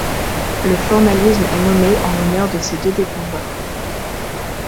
Le formalisme est nommé en l'honneur de ses deux découvreurs.